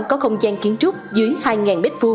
có không gian kiến trúc dưới hai m hai